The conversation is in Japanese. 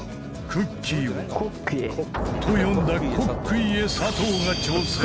クッキーを。と読んだコックイェ佐藤が挑戦。